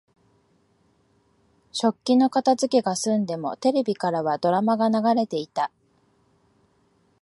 食器の片づけが済んでも、テレビからはドラマが流れていた。